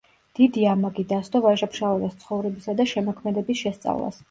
დიდი ამაგი დასდო ვაჟა–ფშაველას ცხოვრებისა და შემოქმედების შესწავლას.